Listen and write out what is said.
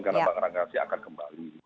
karena orang orang akan kembali